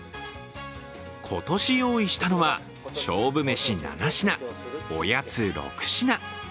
今年用意したのは勝負飯７品、おやつ６品。